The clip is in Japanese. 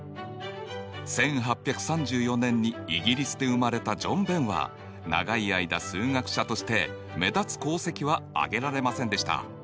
１８３４年にイギリスで生まれたジョン・ベンは長い間数学者として目立つ功績はあげられませんでした。